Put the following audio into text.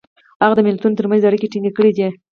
هغه د ملتونو ترمنځ اړیکې ټینګ کړي دي.